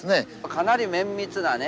かなり綿密なね